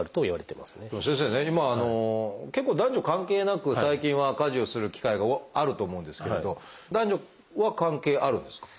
先生ね今結構男女関係なく最近は家事をする機会があると思うんですけれど男女は関係あるんですか？